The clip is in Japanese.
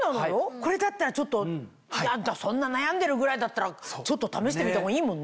これだったらちょっとそんな悩んでるぐらいだったらちょっと試してみたほうがいいもんね。